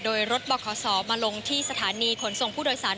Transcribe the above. โดยรถบขศมาลงที่สถานีขนส่งผู้โดยสาร